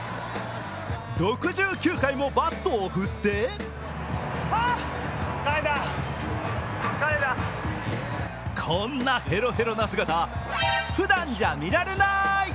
６９回もバットを振ってこんなヘロヘロな姿、ふだんじゃ見られなーい。